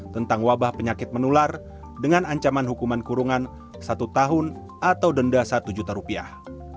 tentang wabah penyakit menular dengan ancaman hukuman kurungan satu tahun atau denda satu juta rupiah